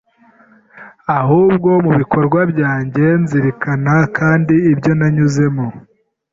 ahubwo mu bikorwa byanjye. Nzirikana kandi ibyo nanyuzemo